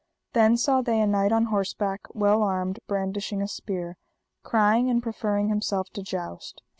Then saw they a knight on horseback well armed, brandishing a spear, crying and proffering himself to joust.